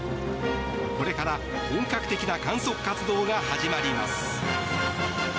これから本格的な観測活動が始まります。